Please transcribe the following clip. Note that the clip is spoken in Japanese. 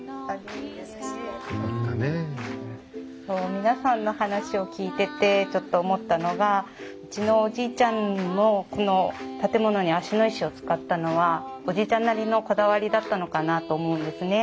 皆さんの話を聞いててちょっと思ったのがうちのおじいちゃんもこの建物に芦野石を使ったのはおじいちゃんなりのこだわりだったのかなと思うんですね。